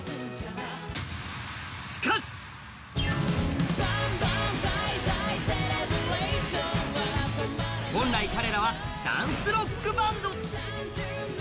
しかし本来、彼らはダンスロックバンド。